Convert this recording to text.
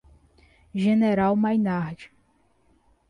General Maynard